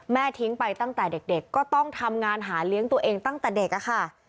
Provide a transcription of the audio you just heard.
ทิ้งไปตั้งแต่เด็กก็ต้องทำงานหาเลี้ยงตัวเองตั้งแต่เด็กค่ะ